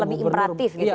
lebih imperatif gitu ya